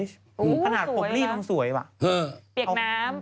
สวยเหรอสวยเหรออืมผนักผมรีบต้องสวยแบบนี้เออ